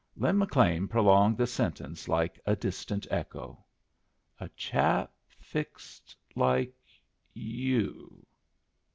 Lin McLean prolonged the sentence like a distant echo. "A chap fixed like you!"